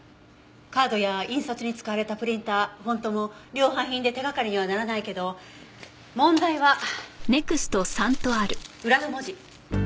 カードや印刷に使われたプリンターフォントも量販品で手掛かりにはならないけど問題は裏の文字。